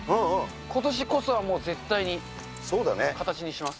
今年こそは、もう絶対に形にします。